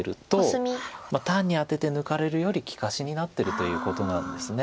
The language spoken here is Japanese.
単にアテて抜かれるより利かしになってるということなんです。